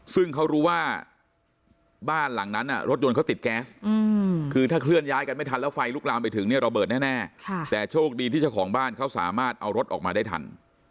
ซึ่งเขารู้ว่าบ้านหลังนั้นรถยนต์เขาติดแก๊สคือถ้าเคลื่อนย้ายกันไม่ทันแล้วไฟลุกลามไปถึงเนี่ยระเบิดแน่แต่โชคดีที่เจ้าของบ้านเขาสามารถเอารถออกมาได้ทัน